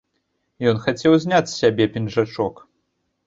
Ён хацеў зняць з сябе пінжачок.